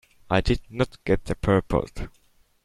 I did not get the purport.